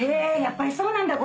やっぱりそうなんだ。